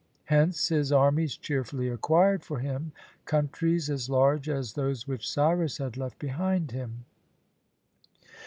Hence his armies cheerfully acquired for him countries as large as those which Cyrus had left behind him.